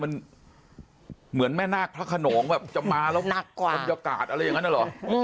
มันเหมือนแม่นาคพระขนมแบบจะมาแล้วบรรยากาศอะไรอย่างนั้นหรอ